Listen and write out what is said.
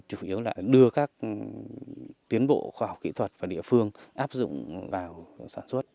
chủ yếu là đưa các tiến bộ khoa học kỹ thuật và địa phương áp dụng vào sản xuất